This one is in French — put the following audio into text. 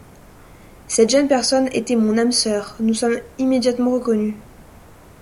Cette jeune personne était mon âme sœur, nous nous sommes immédiatement reconnus.